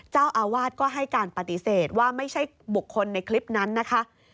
เจ้าอาวาสก็ให้การปฏิเสธว่าไม่ใช่บุคคลในคลิปนั้นนะคะ